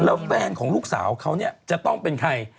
แล้วแฟนของลูกสาวเขาเนี่ยจะต้องเป็นใคร